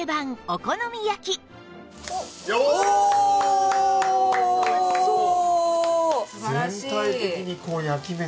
おいしそう。